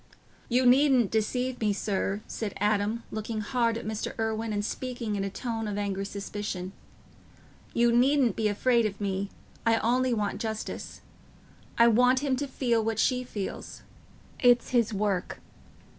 "You needn't deceive me, sir," said Adam, looking hard at Mr. Irwine and speaking in a tone of angry suspicion. "You needn't be afraid of me. I only want justice. I want him to feel what she feels. It's his work...